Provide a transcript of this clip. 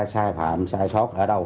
sai phạm sai sót ở đâu